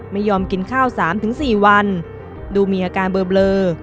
ไม่ยอมกินข้าว๓๔วันดูมีอาการเบลอ